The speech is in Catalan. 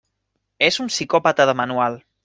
És un psicòpata de manual.